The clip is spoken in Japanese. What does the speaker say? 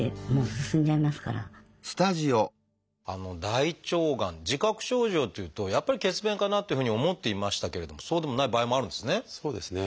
大腸がん自覚症状っていうとやっぱり血便かなっていうふうに思っていましたけれどもそうでもない場合もあるんですね。